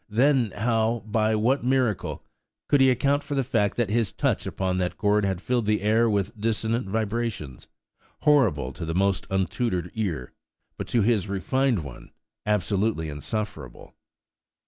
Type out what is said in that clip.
Then how–by what miracle–could he account for the fact that his touch upon that chord had filled the air with dissonant vibrations–horrible to the most untutored ear, but to his refined one absolutely insufferable?